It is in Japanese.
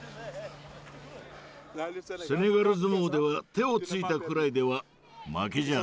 セネガル相撲では手をついたくらいでは負けじゃない。